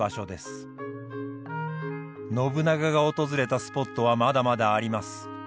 信長が訪れたスポットはまだまだあります。